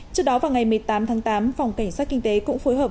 trước đó vào ngày một mươi tám tháng tám phòng cảnh sát kinh tế cũng phối hợp